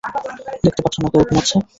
দেখতে পাচ্ছো না কেউ ঘুমাচ্ছে?